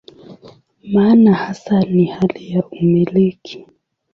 Maana hasa ni hali ya "umiliki".